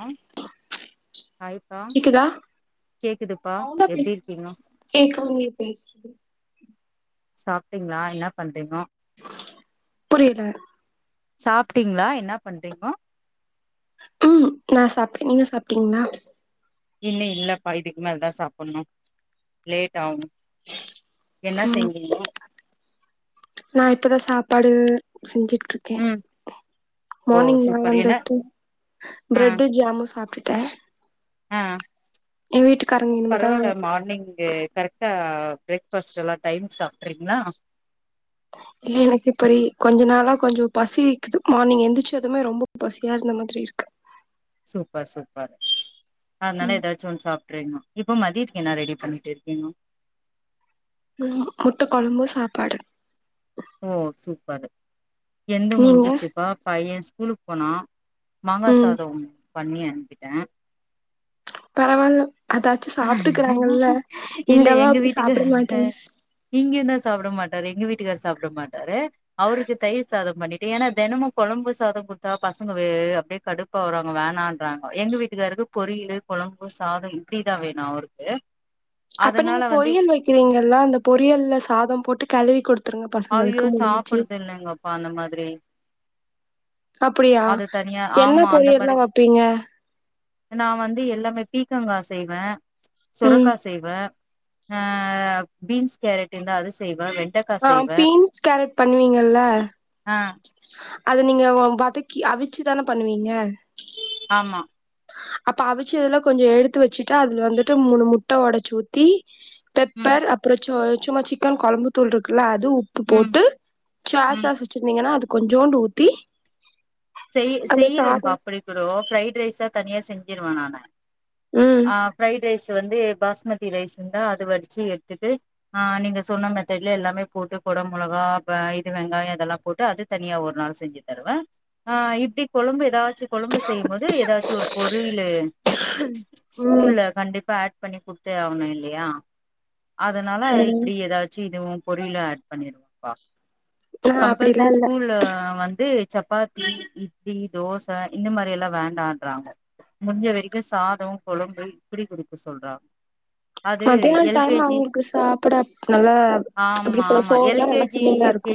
ஆஹ் கேக்குதா சவுண்டா எப்டி பேசு இருக்கீங்கோ கேக்கவே இல்ல பேசுறது சாப்ட்டீங்களா என்னா பண்றீங்கோ புரியுது சாப்ட்டீங்களா என்னா பண்றீங்கோ உம் நா சாப்ட்டே நீங்க சாப்ட்டீங்ளா இன்னு இல்லப்பா இதுக்கு மேலதா சாப்பட்ணு லேட் ஆகும் ம் நா இப்பதா சாப் பாடு செஞ்சுட்டுருக்கே ம் ஓ மார்னிங் நா சூப்பர் என்ன வந்துட்டு பிரெட்டு ஜாமு சாப்ட்டு ப்ப ஆஹ் ய வீட்டு பரவால்ல மார்னிங்கு கரெக்டா பிரேக் ஃபாஸ்ட்டெல்லா டைம்க்கு சாப்ட்றீங்களா இல்ல இல்ல இப்ப ரீ கொஞ்ச நாளா கொஞ்சோ பசிக்குது மார்னிங் எந்தர்ச்சதுமே ரொம்ப பசியா இருந்த மாதிரி இருக்கு சூப்பர் சூப்பர் அதனால ம் எதாச்சு ஒன்னு சாப் ட்ரேம்மா இப்ப மதியத்துக்கு என்ன ரெடி பண்ணிட்டு இருக்கீங்கோ சும்மா முட்ட கொழம்பு சாப்பாடு ஓ சூப்பரு எந்த நீங்க முடிஞ்சிச்சுப்பா பையேன்ஸ் கூலுக்கு போனா மாங்கா ம் சாதோம் பண்ணி அனுப்பிட்ட பரவால்ல அதாச்சு சாப்ட்டுக்கிறாங்கல்ல இல்ல இங்கல்லா எங்க அப்டி சாப்ட மாட்டாங்க சாப்ட மாட்டாரு எங்க வீட்டுக்கார் சாப் ட மாட்டாரு அவருக்கு தயிர் சாதம் பண்ணிட்டு ஏன்னா தினமு கொழம்பு சாதம் குடுத்தா பசங்க வே அப்டியே கடுப்பாவுராங்க வேணான்றாங்க எங்க வீட்டுக்காருக்கு பொரியலு கொழம்பு சாதோ இப்டிதா வேணு அவருக்கு அப்ப அதனால நீங்க வந்து பொரியல் வைக்கிறீங்கல்ல அந்த பொரியல்ல சாதம் போட்டு கெளரி குடுத் ஐயோ சாப்ட்றது இல்லங்கப்பா அந்த மாதிரி அப்டியா அது தனியா என்ன பொரியல்லா வப்பீங்க நா வந்து எல்லாமே பீக்கங்கா செய்வே ம் சுரக்கா செய்வே ஆ பீன்ஸ் கேரட் இருந்தா அது செய்வே வெண்டக் ஆ பீன்ஸ் கேரட் பண்ணுவீங்கல்ல ஆ அத நீங்க வதக்கி அவிச்சி தான பண்ணுவீங்க ஆமா அப்ப அவிச்சதுல கொஞ்சோ எடுத்து வச்சிட்டு அதுல வந்துட்டு மூணு முட்ட ஓடச்சி ஊத்தி ம், பெப்பர் அப்பறோ சோய் சும்மா சிக்கன் கொழம்பு தூள் இருக்குல்ல அது உப்பு ம், போட்டு சா ம். சாஸ் வச்சிருந்தீங்கன்னா அதுக் கொஞ்சோண்டு ஊத்தி செய் அந்த செய்றேம்பா சாதம் அப்டி கூட ஃப்ரைட் ரைஸா தனியா செஞ்சிருவே நானு ம் ஆ ஃப்ரைடு ரைஸ் இது வந்து பாஸ்மதி ரைஸ் இருந்தா அத வடிச்சி எடுத்துட்டு ஆ நீங்க சொன்ன மெத்தட்ல எல்லாமே போட்டு கொட மெளகா இது வெங்காயோ இதெல்லா போட்டு அது தனியா ஒரு நாள் செஞ்சி தருவே ஆ இப்டி கொழம்பு ஏதாச் சி கொழம்பு செய்யும் போது ஏதாச்சு ஒரு பொரியலு ம் ஸ்கூல்ல கண்டிப்பா ஆட் பண்ணி குடுத்தே ஆகணு இல்லையா அதனால ம் இப்டி எதாச்சி துவு பொரியலு ஆட் பண்ணிருவம்ப்பா நா அப்படிலா கம்பல்சரி இல்ல ஸ்கூல்ல வந்து சப்பாத் தி இட்லி தோச இந்த மாரி எல்லா வேண்டான்ட்றாங்க முடிஞ்ச வரைக்கு சாத கொழம்பு இப்பிடி குடுக்க சொல்றாங் மத்யான டைம் அவங்களுக்கு சாப்பட நல்லா ஆமா எப்டி சொல்ல ஆமா எல் சோறுதா நல்லா கில்லிங்கா இருக்கு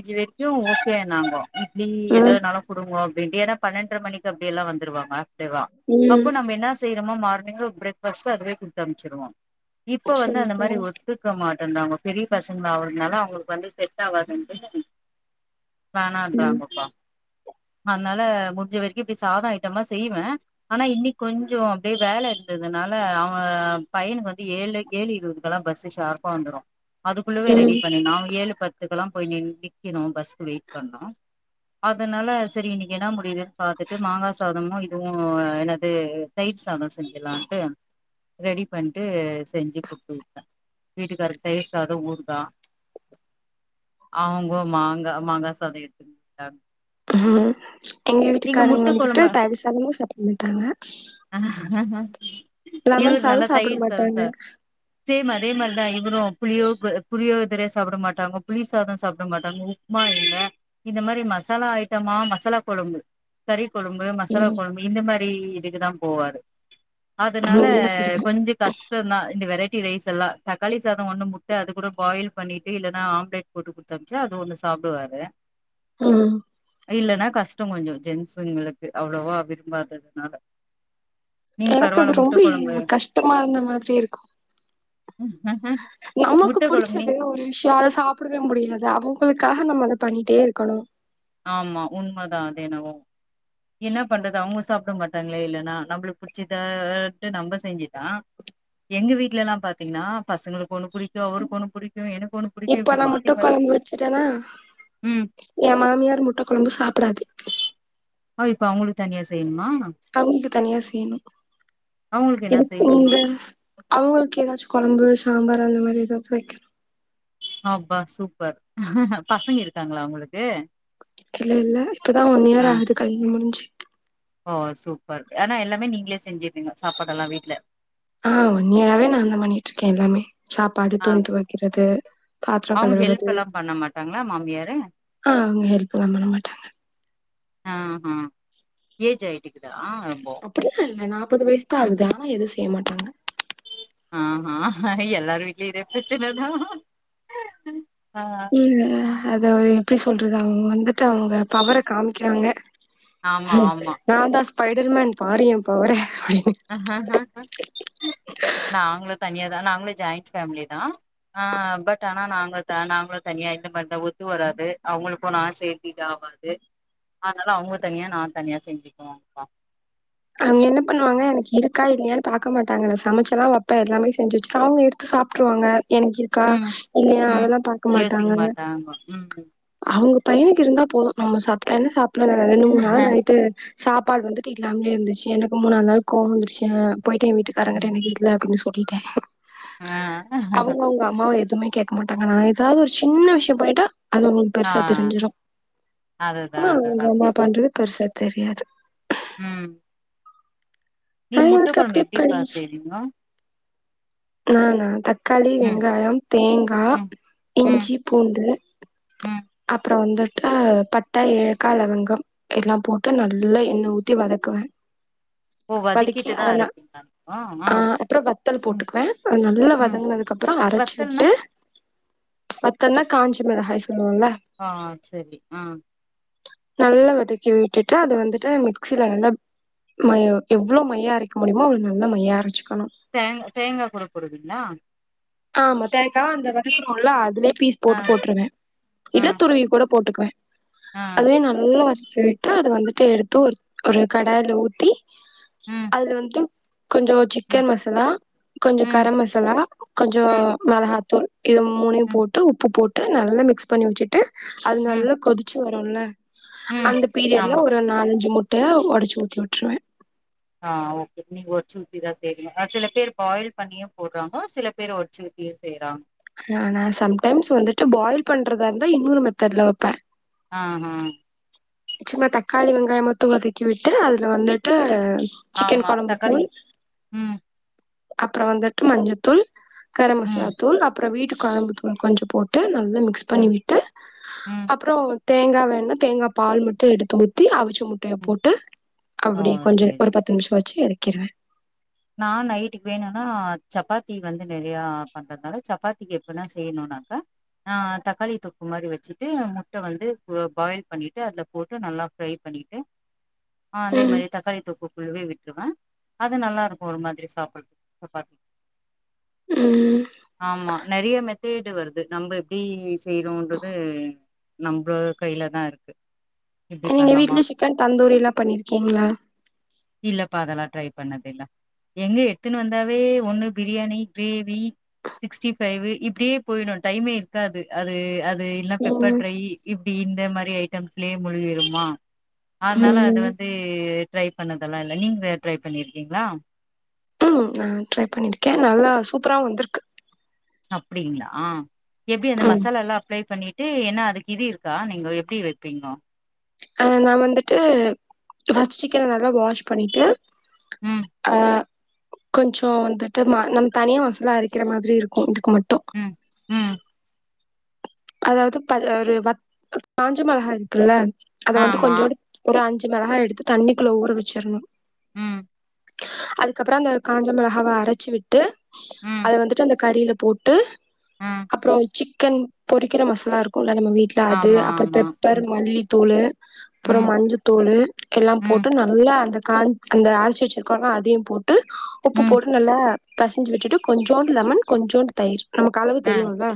நாங்கோ இட்லி எத ம் வேனாலு அவ பெட்டியான பன்னன்ற மணிக்கு அப்டி எல்லா வந்துருவா சாப்டுவா ம் அப்போ நம்ம என்ன செய் மா மார்னிங் பிரேக் ஃபாஸ்ட்டு அதுவே குடுத்து அனுப்ச்ருவோ இப்ப வந்து சரி அந்த சரி மாரி ஒத்துக்க மாட் றாங்க அவங்க பெரிய பசங்களாவறதுனால அவங்களுக்கு வந்து செட் ஆவாதுன்ட்டு ம் வேணான்றாங்கப்பா அதனால முஞ்ச வரைக்கு இப்டி சாத ஐட்டமா செய்வ ஆனா இன்னிக் கொஞ்ச அப்டியே வேல இருந்ததுனால அவ பையனுக்கு வந்து ஏழ்ர ஏழு இருபதுக்கெல்லா பஸ்ஸு ஷார்ப்பா வந்துரு அதுக்குள்ளவே ரெடி ம் பண்ணனு அவ ஏழு பத்து க்லா போய் நின் நிக்கணு பஸ்க்கு வெயிட் பண்ணு அ தனால செரி இன்னிக்கி என்னா முடியுதுன் பாத்துட்டு மாங்கா சாதமு இதுவு என்னது தயிர் சாத செஞ்சிலான்ட்டு ரெடி பண்ட்டு செஞ்சு குடுத்து வுட்ட வீட்டுக்காருக் தயிர் சாத ஊறுகா அவங்கோ மாங்கா மாங்கா சாத எடுத்துட் போய்ட்டாங்க ம் எங்க வீட்டுக்காரங்க வந்துட்டு கொழம்பா தய்ரு சாதமு சாப்ட மாட்டாங்க இவ்ரு லெமன் சாதோ நல்லா சாப்பிட தயிர் சாத மாட்டாங்க சாப்ட் சேம் அதே மாரிதா இவுரு புளியோ க புளியோ சேறே சாப்ட மாட்டாங்க புளி சாத சாப்ட மாட்டாங்க உப்மா இல்ல இந்த மாரி மஸ் சாலா ஐட்டமா மசாலா கொழம்பு கறி க்கொழம்பு மசாலா ம் கொழம்பு இந்த மாரி இதுக்கு தா போவாரு அதனால இங்கயு அப்படித்தா கொஞ்ச கஷ்ட்டந்தா இந்த வெரைட் டி ரைஸ் எல்லா தக்காளி சாத ஒன்னு முட்ட அது கூட பாயில் பண்ணிட்டு இல்லென்னா ஆம்லெட் போட்டு குட்த்தம்ச்சா அது ஒன்னு சாப்டுவாரு ம் இல்லனா கஷ்ட்டோ கொஞ்சொ ஜென்ஸுங்குளுக்கு அவ்ளவா விரும்பாததுனால நீங்க எனக்கு அது பரவால்ல முட்ட ரொம்பெய் கொழம்பு கஷ்ட்டமா இருந்த மாத்ரி இருக்கு நமக்கு முட்ட கொழம்பு நீ புடிச்சது ஒரு விஷ்ய அத சாப்டவே முடியாது அவுங்ளுக்கா நம்ம அத பண்ணிட்டே இருக்கணு ஆமா உண்மதா அதென்னவோ என்னா பண்றது அவுங்க சாப்ட மாட்டாங்ளோ இல்லனா நம்ப்ளுக் புடிச்சிதாட்டு நம்ப செஞ்சிட்டா எங்க வீட்ல எல்லா பாத்தீங்னா பசங்ளுக்கு ஒன்னு புடிக்கு அவ்ருக்கு ஒன்னு புடிக்கு எனக் இப்ப நா முட்ட கொழம்பு வச்சிட்டன்னா ம் யா மாமியார் முட்ட கொழம்பு சாப்புடாது அ இப்ப அவுங்ளுக்கு தனியா செய்யணு அவ்ங்ளுக்கு தனியா செய்யணு அவங்களுக்கு என்ன எனக் செய்யணுமா கிங்த அவுங்ளுக்கு எதாச்சு கொழம்பு சாம்பார் அந்த மாதிரி எதாவது வெக்கணு அப்பா சூப்பர் பசங்க இருக்காங்ளா உங்களுக்கு இல்லல்ல இப்பதா ஒன் ஆ இயர் ஆகுது கல்யாண் முடிஞ்சி ஓ சூப்பர் ஆனா எல்லாமே நீங்களே செஞ்சீர்ரீங்க சாப்பாடெல்லா வீட்ல ஆஹ் ஒன்னியராவே நான்தா பண்ணிட்டு இருக்கேன் எல்லாமே சாப்பாடு ஆ துணி தொவெக்கிறது பாத்ரம் அவங்க ஹெல்ப் கழுவறது எல்லா பண்ண மாட்டாங்களா மாமியாரு ஆஹ் அவ்ங்க ஹெல்ப்ல்லாம் பண்ண மாட்டாங்க ஆ ஆ ஏஜ் ஆய் அப்டில்லா இல்ல நாப்பது வைஸ்தா ம் ஆகுது ஆனா எதுவு செய்ய மாட் டாங்க ஆஹ் ஆஹ் எல்லாரு வீட்லயு இதே பிரச்சனதா ஆ உம் அத ஒரு எப்டி சொல்றது அவுங்க வந்துட்டு அவுங்க பவர காமிக்கிறாங்க ஆமா ஆமா நாந்தா ஸ் பைடர்மேன் பாரு என் பவர அப்டின்னு நாங்ளு தனியா தா நாங்ளு ஜாயிண்ட் ஃபேம்லிதா ஆஹ் பட் ஆனா நாங்க த நாங்களு தனியா இந்த மார்தா ஒத்து வராது அவுங்களுக்கு நா செய்ரது இதாவாது அதனால அவுங்க தனியா நா தனியா செஞ்சிக்குவோம்பா அவுங்க என்ன பண்ணுவாங்க எனக்கு இருக்கா இல்லையானு பாக்க மாட்டாங்க நா சமச்சு எல்லா வெப்ப எல்லாமே செஞ்சு வெச்சிருவ அவங்க எடுத்து சாப்பிட்டுருவாங்க எனக்கு இருக்கா ம் இல்லையா ம் அதெல்லாம் பாக்க யோசிக்க மாட்டாங்க ம் அவங்க பையனுக்கு இருந்தா போதும் நம்ம சாப்பிட்டா என்ன சா ரெண்டு மூனு நாளா நைட்டு சாப்பாடு வந்துட்டு இல்லாமே இருந்துச்சு எனக்கு மூணா நாளு கோவம் வந்துருச்சா போய்ட்டு என் வீட்டு காறங்ககிட்ட ம் எனக்கு இல்ல அப்புடினு சொல் லிட்ட ஆ அவுங்க அவுங்க அம்மாவ எது வுமே கேக்க மாட்டாங்க நா எதாவது ஒரு சின்ன விஷியோ பண்ணிட்டா அது அவங்களுக்கு ஆ பெருசா தெரிஞ்சிரு அதுதா ஆனா அவங்க அதுதா அம்மா அப்டிதா பண்றது பெருசா தெரியாது ம் ஆஹ நீங்க முட்ட எனக்கு அப்படி கொழம்பு எப்டிப்பா பலகிச்சு செய்வீங்க நானானா தக்காளி ம் வெங்காயம் தேங்கா ம் ம் இஞ்சி பூண்டு ம் அப்புறோ வந்துட்டு பட்ட ஏலக்காய் லவங்கம் எல்லாம் போட்டு நல்லா எண்ணய் ஊத்தி வதக்குவ ஓ வதக்கி வதக்கிட்டுதா அத நா அரைப்பீங்களா நீங்க ஆ ஆஹ் அப்புறோ வத்தல் ம் போட்டுக்குவ அ நல்லா ம் வதங்கினதுக்கு அப்புறோ அரச்சு வத்தல்னா விட்டு வத்தல்னா காஞ்சமிளகாய் சொல்லுவோல்ல ஆஹ் செரி ஆஹ் நல்லா வதக்கி விட்டுட்டு அது வந்துட்டு மிக்சியில நல்லா ம எவ்ளோ மையா அரைக்க முடியுமோ அவ்வளொ நல்ல மையா அரச்சுக்கணு தேங்க தேங்கா கூட போடுவிங்ளா ஆமா தேங்கா அந்த வெதக்குறோல்ல அதுலயே ஃபீஸ் ஆ போட்டு போட்டுருவே ஆ இத துருவி கூட போட்டுக்குவ ஆ அதுவே நல்ல வதக் ச்சுட்டு அது வந்துட்டு எடுத்து ஒரு ஒரு கடாயில ஊத்தி ம் அதுல வந்து கொஞ்சோ ம் சிக்கன் மசாலா கொஞ்சொ ம் கரம் மசாலா கொஞ்சொ ம் மெளகாத்தூள் இது மூணையு ம் போட்டு உப்பு போட் டு நல்லா மிக்ஸ் பண்ணி வுச்சுட்டு அது ம் நல்லா கொதிச் சு வருல ம் அந்த பீரியட்ல ஆமா ஒரு நாலஞ்சு முட் ட ஒடச்சு ஊத்தி வுட்டுருவ ஆஹ் ஓகே நீங்க ஒடச்சூத்திதா செய்விங்க அ சில பேர் பாயில் பண்ணியும் போடுறாங்க சில பேர் ஒடச்சூத்தியும் செய்றாங் நானா சம்டைம்ஸ் வந்துட்டு பாயில் பண்றதா இருந்தா இன்னோரு மெத்தட்ல வப்ப ஆஹ சும்மா தக்காளி வெங்காய மட்டு வதக்கி விட்டு அதுல வந்துட்டு சிக்கன் ஆமா தக்காளி கொழம்புத்தூள் ம் அப்றோ வந்துட்டு மஞ்சத்தூள் கரம் மசாலா ம் தூள் அப்றோ வீட்டு கொழம்பு தூள் கொஞ்சொ போட்டு நல் ல மிக்ஸ் பண்ணி ம் விட்டு ம் அப்றோ தேங்கா வேணுணா தேங்கா பால் மட்டு எடுத்து ஊத்தி அவிச்சு முட்டைய ம் போட்டு ஓ அப்பிடியே கொஞ்சம் செரி ஒரு பத்து நிமிஷொ வச் வச்சி எறக்கிறுவ நா நைட்டுக்கு வேணுனா சப்பாத்தி வந்து நெறையா பண்றதுனால சப்பாத்திக்கு எப்டினா செய்யணுனாக்கா ஆஹ் தக்காளி தொக்கு மாரி வச்சிட்டு முட்ட வந்து பொ பாயில் பண்ணிட்டு அதுல போட்டு நல்லா ஃப்ரை பண்ணிட்டு ஆஹ் அதே ம் மாரி தக்காளி தொக்கு குள்ளவே விட் ருவே அது நல்லாருக் ஒரு மாதிரி சாப்பிடற சப்பாத்தி ம் ஆமா நெறைய மெத் தேடு வருது நம்ப எப்டி செய்றோன்றது நம்பளோ கைலதா இருக்கு இப்டி நீங்க பண்ணலாமா வீட்ல அப்படி சிக்கன் தந்தூரி எல்லா பண்ணிருக்கீங்களா இல்லப்பா அதெல்லாம் ட்ரை பண்ணுனது இல்ல எங்க எடுத்தின்னு வந்தாவே ஒண்ணு பிரியாணி கிரேவி சிக்ஸ்டி பைவு இப்பிடியே போயிடும் டைமே இருக்காது அது அது இல்லா பெப்பர் ம் ட்ரை இப்பிடி இந்த மாரி இதே ஐட்டம்ஸ்லே மூழ்கிடுமா அதனால அது ம் வந்து ட்ரை பண்ணதெல்லாம் இல்ல நீங்க ட்ரை பண்ணிருக்கீங்களா ம் நான் ட்ரை பண்ணிருக்கேன் நல்லா சூப்பரா வந்திருக்கு அப்பிடிங்களா எப்டி அந்த ம் மசால எல்லா அப்ளை பண்ணி டு என்ன அதுக்கு இது இருக்கா நீங்க எப்பிடி வைப்பீங்கோ ஆ நா வந்துட்டு ஃபர்ஸ்ட் சிக்கன நல்லா வாஷ் பண்ணிட்டு ம், ஆ கொஞ்சே வந்துட்டு ம நம்ம தனியா மசாலா அரைக்கிற மாரி இருக்கும் இதுக்கு மட்டும் ம் ம் அதாது ப ஒரு வத் காஞ்ச மொளகா இருக்குல்ல அத வந்து ஆமா. கொஞ்சோண்டு ஒரு அஞ் சு மெளகா எடுத்து தண்ணிக்குள்ள ஊற வச்சிடணும் ம் அதுக்கப்பற அந்த காஞ்ச மிளகாவ அரைச்சி விட்டு ம், அதை வந்துட்டு அந்த கறியில போட்டு ம். அப்பறம் சிக் க்கன் பொறிக்கிற மசாலா இருக்க கும்ல நம்ம வீட்டுல அது ஆமா, அப்புறம் ஆமா. பெப்பர் ம், மல்லித்தூளு அப்பறம் ம், மஞ்ச தூளு எல்லா ம், போட்டு நல்லா அந்த கா அந்த ஆரச்சி வச்சிருக்கோம்ல அதையும் போட் டு உப்பு ம். போட்டு நல்லா பெசிஞ்சு விட்டு கொஞ்சோண்டு லெமன் கொஞ்சோண்டு தயிர் நமக்கு அளவு ஆ. தெரியும்லா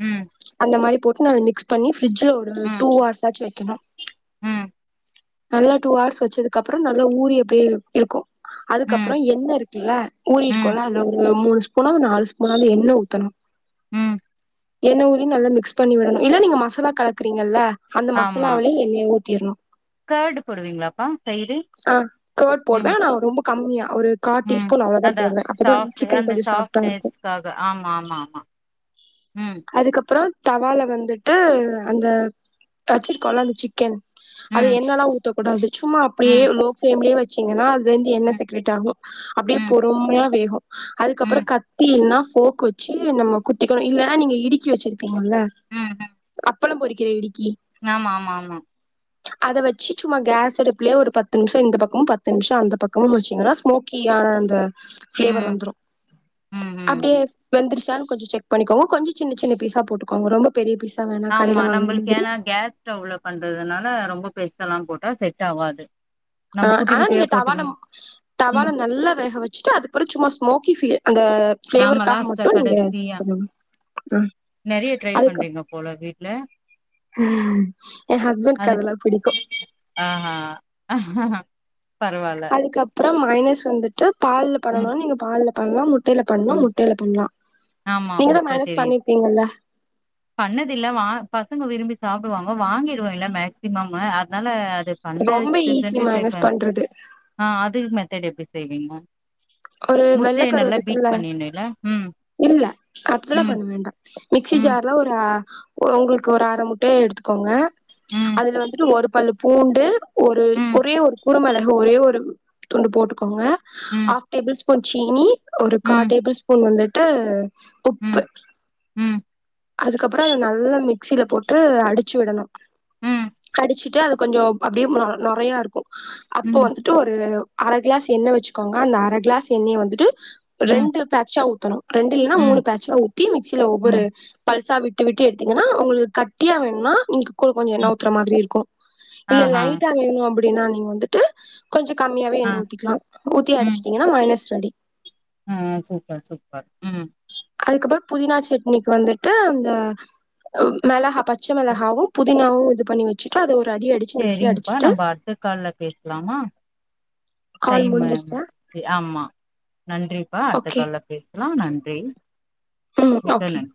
ம், அந்த மாரி போட்டு நால்லா மிக்ஸ் பண்ணி பிரிட்ஜில ஒரு ம், டூ அவர்ஸ் ஆச்சு வே கினும் ம் நல்லா டூ ஹர்ஸ் வச்சதுக்கு அப்பறம் நல்லா ஊறி அப்டியே இருக்கும் ம், அதுக்கப்பறம் எண்ண இருக்குல்ல ஊறி ம். இருக்கோல்ல அதுல ஒரு மூணு ஸ்பூனாவது நாலு ஸ்பூனாவது எண்ண ஊத்தணும் ம் எண்ணய ஊத்தி நல்லா மிக்ஸ் பண்ணி விடணும் இல்ல நீங்க மசாலா கலக்குறீங்கல்ல அந்த ஆமா மசாலாவிலயே எண்ணய ஊத்திரணும் கர்டு போடுவீங்களாப்பா சைடு ஆ கர்ட் போட்டு ம் நா ரொம்ப கம்மியா ஒரு கா ம் டீஸ்பூன் அவ்ளதா அதா போடுவ அப்பதா வந்து சாஃப்ட் சிக்கன் அந்த கொஞ்ச சாஃப்டா இருக்கு சாஃப்ட்னஸ்க்காக ஆமா ஆமா ஆமா ம் அதுக்கப் அப்புற தவால வந்துட்டு அந்த வச்சிருக்கோல அந்த சிக்கன் அது ம் எண்ணெலா ஊத்தக்கூடாது சும் அப்டியே ம் லோ ஃபிளேம்லயே வெச் சிங்கனா அதுல இருந்து எண்ணெ ம் செக்ரேட் ஆகு அப்டியே ம் பொறுமையா வேகு அதுக்கப்புற ம் கத்தி இல்லனா ஃபோர்க் வெச் சு நம்ம குத்திக்கணு இல்லனா நீங்க இடுக்கி வெச்சிருப்பிங்கல்ல ம் ம் அப்பளம் பொறிக்கிற இடுக்கி ஆமா ஆமா ஆமா அத வெச்சு சும்மா கேஸ் அடுப் புல ஒரு பத்து நிமிஷ இந்த பக்கமு பத்து நிமிஷ அந்த பக்கமு புடிச்சிங்கனா ஸ்மோக்கியான அந்த ஃப்ளேவர் ம் வந்துரு ம் ம் அப்டியே ம் வெந்துருச்சான் கொஞ்ச செக் பண்ணிக்கோங்க கொஞ்ச சின்ன சின்ன பீசா போட்டுக்கோங்க ரொம்ப பெரிய பீஸ் ஆமா நம்மளுக்கு ஏனா கேஸ் ஸ்டவ்ல பண்றதுனால ரொம்ப பெருசெல்லா போட்டா செட் ஆவாது ஆ நம்ம குட்டி ஆனா குட்டியா நீங்க தவால போட்டுக்கணு தவால ம் நல்லா வேக வெச்சுட்டு அதுக்கப்புற சும்மா ஸ்மோக்கி ஃபீல் அந்த ஆமா ஃபிளேவர்க்காக லாஸ்ட்டா மட்டு நீங்க கேஸ்ல கடைசியா பண்ணனு ஆ அதுக்கப் ல ஏ ஹஸ்பண்க் அது அதலா புடிக்கு ஆஹா பரவால்ல ப்ற மைனஸ் வந்துட்டு பால்ல ம் பண்ணனு நீங்க பால்ல பன்லா முட் டைல பண்லா ம் முட்டைல பண்லா ஆமா முட்ட தெரியு பண்ணதில்ல வா பசங்க விரும்பி சாப்டுவாங்க வாங்கிடுவே இல்ல மேக்சிமம்மு அத் னால அது ரொம்ப ஈஸி பண்ணதுக்கு மைனஸ் பண்றது [unintelligible] ஆ அதுகுமே தேட் எப்டி செய்வீங்மா ஒரு முட்டய வெள்ளக்கரு நல்லா பீட் இருக்குல்ல பண்ணினு இல்ல ம் இல்ல அப்ஜலா ம், பண் வேண்டா மிக்ஸி ம், ஜார்ல ஒரு ஆ ஒ உங்குள்க்கு ஒர் அர முட்டய எடுத்துக்கோங்க ம், அதுல வந்துட்டு ஒரு பல்லு பூண்டு ஒரூ ம், ஒரே ஒரு குறுமிளகு ஒரே ஒரு துண்டு போட்டுகோங்க ம், ஆப் டேபிள் ஸ்பூன் சீனி ஒரு கா ம், டேபிள் ஸ்பூன் வந்துட்டு ம், உப்பு ம், ம், அதுக்கப்புறோ நல்லா மிக்சில போட்டு அடிச்சி விடணு ம், அடிச்சிட்டு அது கொஞ்சோ அப்டியே நொ நொறையாருக்கு அப்போ ம், வந்துட்டு ஒரு அர கிலாஸ் எண்ணெ வச்சுக்கோங்க அந்த அர கிளாஸ் எண்ணெய வந்துட்டு ம், ரெண்டு பேக்ஷா தணு ரெண்டு இல்னா மூணு ம், பேச்சா த்தி மிக்சில ஒவ்வொரு ம். பல்சா விட்டு விட்டு எடுத்தீங்கனா உங்களுக் கட்டியா வேணுனா இங்க கூட கொஞ்சொ எண்ண ஊத்ற மாதிரிருக்கு இல்ல ஆஹா. லைட்டா வேணு அம்ப அப்டினா நீங் வந்துட்டு கொஞ்சொ கம்மியாவே ஆ. எண்ண ஊத்திக்கிலா ஊத்தி அடிச்சிடிங்கினா மையனஸ் ரெடி ஆஹ் சூப்பர் சூப்பர் உம் அதுக்கப்றோ புதினா சட்னிக் வந்துட்டு அந்த மெளகா பச்ச மெளகாவு புதினாவு து பண்ணி வச்சுட்டு அது ஒரு அடி அடிச்சு மிக்சில செரிங்கப்பா அடிச்சுட்டு நம்ம அடுத்த கால்ல பேசலாமா கால் டைமு முடிஞ்சிருச்சா ஆமா நன்றிப்பா அடுத்த ஓகே கால்ல பேச லா நன்றி ம் மிக்க ஓகே நன்றி.